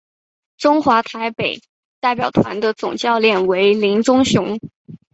中华台北代表团的总教练为林忠雄。